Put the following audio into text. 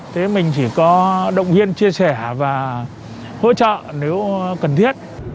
thế mình chỉ có động viên chia sẻ và hỗ trợ nếu cần thiết